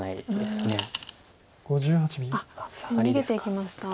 そして逃げていきました。